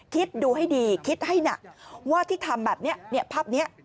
คิดดูให้ดีคิดให้หนักว่าที่ทำแบบนี้ภาพนี้